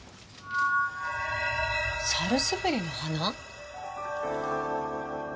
サルスベリの花？